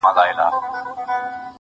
د يوسفي ښکلا چيرمنې نوره مه راگوره